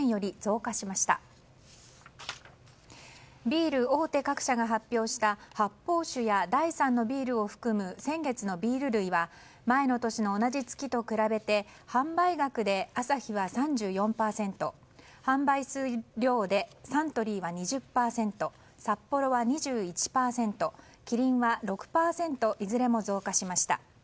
ビール大手各社が発表した発泡酒や第３のビールを含む先月のビール類は前の年の同じ月と比べて販売額でアサヒは３４％販売数量でサントリーは２０％サッポロは２１％キリンは６％いずれも増加しました。